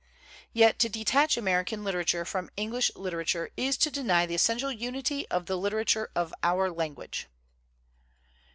Yet to detach American literature from English literature is to deny the essential unity of the literature of our language.